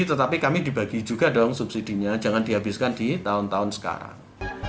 tetapi kami dibagi juga dong subsidinya jangan dihabiskan di tahun tahun sekarang